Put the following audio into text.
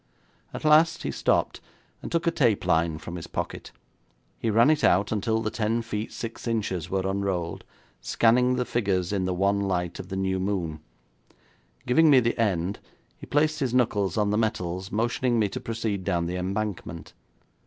At last he stopped, and took a tape line from his pocket. He ran it out until the ten feet six inches were unrolled, scanning the figures in the wan light of the new moon. Giving me the end, he placed his knuckles on the metals, motioning me to proceed down the embankment.